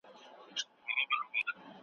لوستې مور د ؛خوړو د ساتنې اصول پلي کوي.